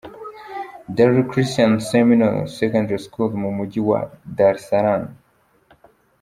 Dar Christian Seminary Secondary School mu mujyi wa Dar es.